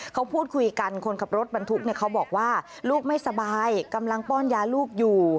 เขาพูดคุยกันคนขับรถบรรทุกเนี่ยเขาบอกว่าลูกไม่สบายกำลังป้อนยาลูกอยู่